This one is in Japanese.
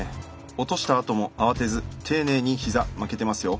落としたあとも慌てず丁寧に膝巻けてますよ。